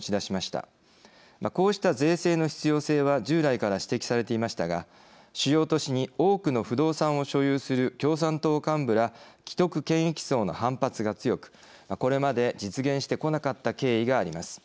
こうした税制の必要性は従来から指摘されていましたが主要都市に多くの不動産を所有する共産党幹部ら既得権益層の反発が強くこれまで実現してこなかった経緯があります。